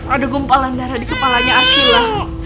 ada gumpalan darah di kepalanya akila